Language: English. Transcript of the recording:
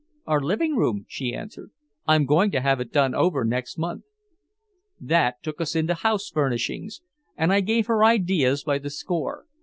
"Our living room," she answered. "I'm going to have it done over next month." That took us into house furnishings, and I gave her ideas by the score.